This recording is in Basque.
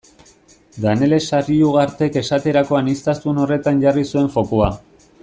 Danele Sarriugartek esaterako aniztasun horretan jarri zuen fokua.